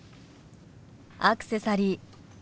アクセサリー